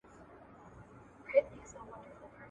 سهار به څرنګه بې واکه اونازک لاسونه .